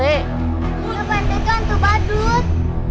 itu hantu badut